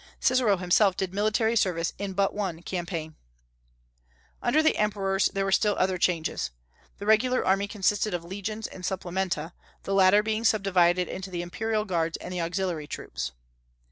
Cicero himself did military service in but one campaign. Under the emperors there were still other changes. The regular army consisted of legions and supplementa, the latter being subdivided into the imperial guards and the auxiliary troops.